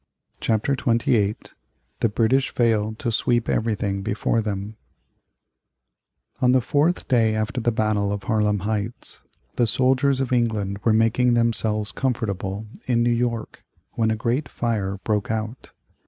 CHAPTER XXVIII THE BRITISH FAIL to SWEEP EVERYTHING BEFORE THEM On the fourth day after the battle of Harlem Heights the soldiers of England were making themselves comfortable in New York when a great fire broke out.